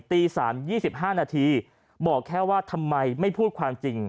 ตี๓๒๕นาทีบอกแค่ว่าทำไมไม่พูดความจริง